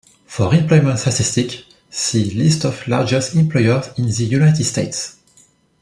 For employment statistics, see List of largest employers in the United States.